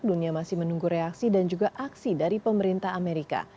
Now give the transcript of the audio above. dunia masih menunggu reaksi dan juga aksi dari pemerintah amerika